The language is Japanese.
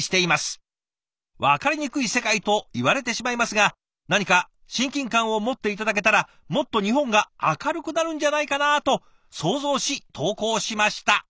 わかりにくい世界といわれてしまいますがなにか親近感を持って頂けたらもっと日本が明るくなるんじゃないかなと想像し投稿しました」。